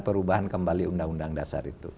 perubahan kembali undang undang dasar itu